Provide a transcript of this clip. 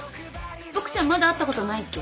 ボクちゃんまだ会ったことないっけ？